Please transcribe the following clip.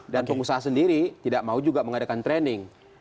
dan pengusaha sendiri tidak mau juga mengadakan training